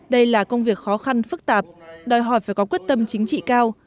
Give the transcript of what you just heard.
đây là công việc khó khăn phức tạp đòi hỏi phải có quyết tâm chính trị cao